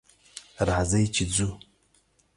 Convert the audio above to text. راځئ چې ځو